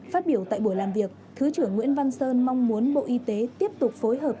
phát biểu tại buổi làm việc thứ trưởng nguyễn văn sơn mong muốn bộ y tế tiếp tục phối hợp